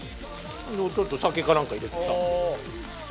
ちょっと酒かなんか入れてさ。